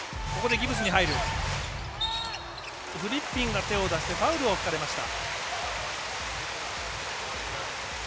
フリッピンが手を出してファウルを吹かれました。